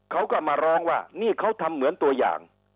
เขาก็มาร้องว่านี่เขาทำเหมือนตัวอย่าง